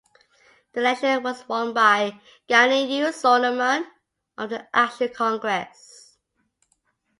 The election was won by Ganiyu Solomon of the Action Congress.